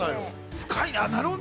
深いな。